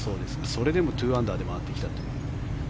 それでも２アンダーで回ってきたという。